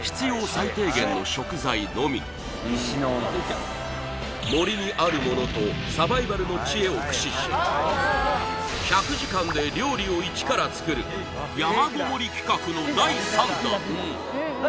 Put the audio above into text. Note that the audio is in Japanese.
最低限の食材のみ石の森にあるものとサバイバルの知恵を駆使し１００時間で料理をイチから作る山ごもり企画の第３弾